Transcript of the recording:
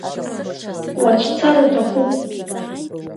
Уацәцар уҭахуп?!